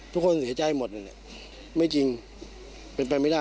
ทุกคนเสียใจหมดนั่นแหละไม่จริงเป็นไปไม่ได้